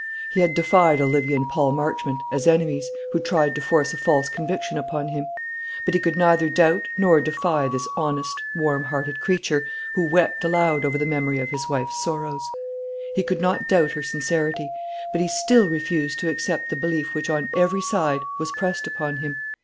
He had defied Olivia and Paul Marchmont, as enemies, who tried to force a false conviction upon him; but he could neither doubt nor defy this honest, warm hearted creature, who wept aloud over the memory of his wife's sorrows. He could not doubt her sincerity; but he still refused to accept the belief which on every side was pressed upon him.